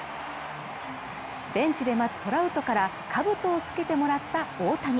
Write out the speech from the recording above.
ベンチで待つトラウトからかぶとをつけてもらった大谷。